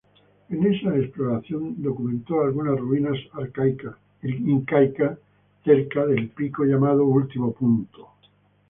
En esa exploración documentó algunas ruinas incaicas cerca al pico llamado Último Punto.